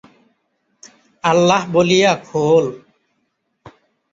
আল্লাহ বলিয়া খোল।।